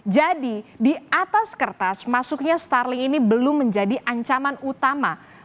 jadi di atas kertas masuknya starlink ini belum menjadi ancaman utama